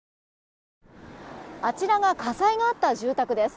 あちらが火災があった住宅です。